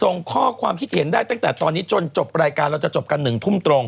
ส่งข้อความคิดเห็นได้ตั้งแต่ตอนนี้จนจบรายการเราจะจบกัน๑ทุ่มตรง